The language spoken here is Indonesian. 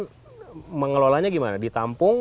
kemudian mengelolanya gimana ditampung